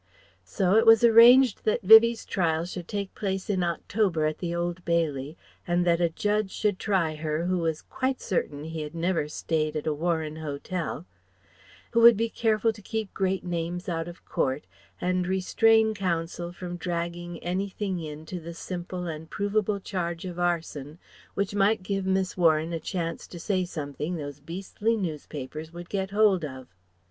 So it was arranged that Vivie's trial should take place in October at the Old Bailey and that a judge should try her who was quite certain he had never stayed at a Warren Hotel; who would be careful to keep great names out of court; and restrain counsel from dragging anything in to the simple and provable charge of arson which might give Miss Warren a chance to say something those beastly newspapers would get hold of.